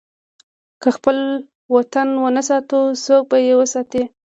که خپل وطن ونه ساتو، څوک به یې وساتي؟